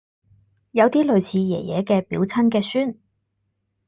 有啲類似爺爺嘅表親嘅孫